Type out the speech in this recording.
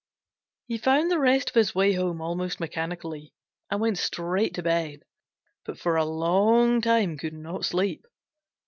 He found the rest of his way home almost mechanically, and went straight to bed, but for a long time could not sleep.